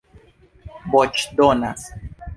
voĉdonas